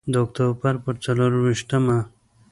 د اکتوبر په څلور ویشتمه.